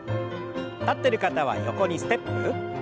立ってる方は横にステップ。